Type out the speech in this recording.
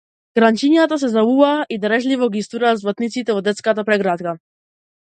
Гранчињата се залулаа и дарежливо ги истураа златниците во детската прегратка.